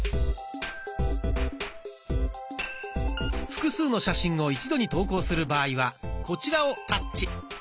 複数の写真を一度に投稿する場合はこちらをタッチ。